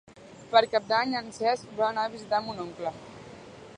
Per Cap d'Any en Cesc vol anar a visitar mon oncle.